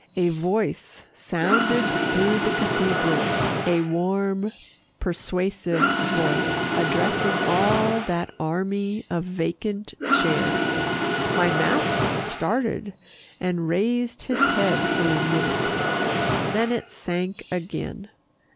A voice sounded through the cathedral a warm, persuasive voice, addressing all that army of vacant chairs. My master started, and raised his head for a minute. Then it sank again.